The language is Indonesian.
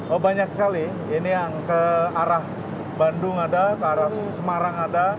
oh banyak sekali ini yang ke arah bandung ada ke arah semarang ada